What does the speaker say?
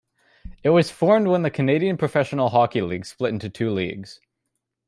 It was formed when the Canadian Professional Hockey League split into two leagues.